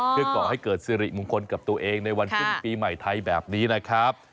เพื่อก่อให้เกิดสิริมงคลกับตัวเองในวันขึ้นปีใหม่ไทยแบบนี้นะครับ